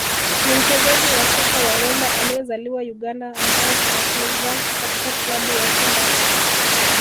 ni mchezaji wa soka wa Rwanda aliyezaliwa Uganda ambaye anacheza katika klabu ya Simba